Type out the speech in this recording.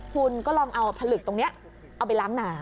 คุณก็ลองเอาผลึกตรงนี้เอาไปล้างหนา